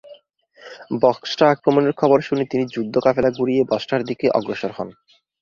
বসরা আক্রমণের খবর শুনে তিনি যুদ্ধ কাফেলা ঘুরিয়ে বসরার দিকে অগ্রসর হন।